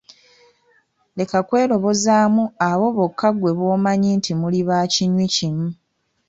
Leka kwerobozaamu abo bokka ggwe bomanyi nti muli bakinywi kimu.